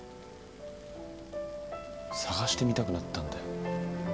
探してみたくなったんだよ。